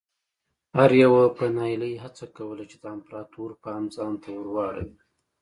هر یوه په ناهیلۍ هڅه کوله چې د امپراتور پام ځان ته ور واړوي.